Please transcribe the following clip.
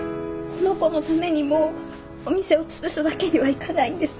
この子のためにもお店をつぶすわけにはいかないんです